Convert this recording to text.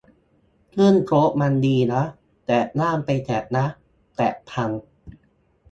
ซึ่งโค้ดมันดีนะ แต่ห้ามไปแตะนะ แตะพัง